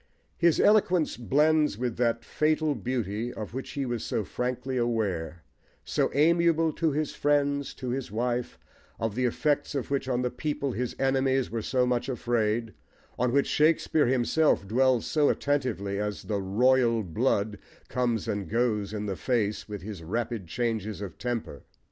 His eloquence blends with that fatal beauty, of which he was so frankly aware, so amiable to his friends, to his wife, of the effects of which on the people his enemies were so much afraid, on which Shakespeare himself dwells so attentively as the "royal blood" comes and goes in the face with his rapid changes of temper.